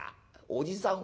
おじさん